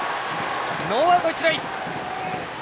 ノーアウト、一塁。